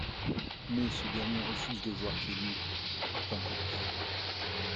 Mais ce dernier refuse de voir Ken'Yu en tant que tel.